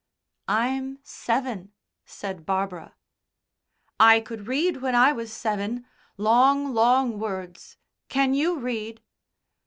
"I'm seven," said Barbara. "I could read when I was seven long, long words. Can you read?"